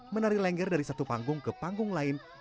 menari lengger dari satu panggung ke panggung lain